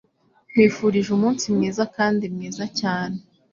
Nkwifurije umunsi mwiza kandi mwiza cyane